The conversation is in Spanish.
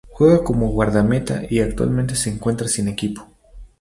Juega como Guardameta y actualmente se encuentra sin equipo.